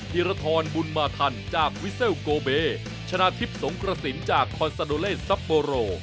ีรทรบุญมาทันจากวิเซลโกเบชนะทิพย์สงกระสินจากคอนซาโดเลซับโบโร